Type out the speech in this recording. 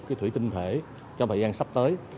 cái thủy tinh thể trong thời gian sắp tới